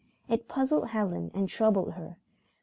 It puzzled Helen and troubled her.